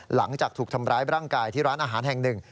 หลังจากถูกทำร้ายร่างกายที่ร้านอาหารแห่งหนึ่ง